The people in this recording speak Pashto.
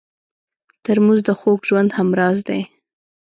ترموز د خوږ ژوند همراز دی.